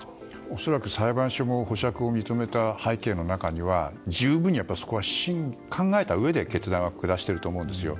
恐らく裁判所も保釈を認めた背景には十分にそこは考えたうえで決断を下していると思うんですよ。